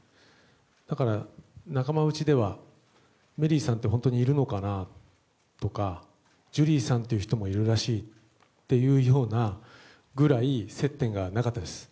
だから、仲間内ではメリーさんは本当にいるのかな？とかジュリーさんっていう人もいるらしいというようなぐらい接点がなかったです。